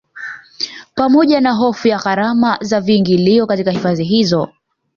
Pamoja na hofu ya gharama za viingilio katika hifadhi hizo